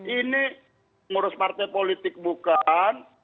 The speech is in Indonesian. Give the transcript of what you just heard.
ini ngurus partai politik bukan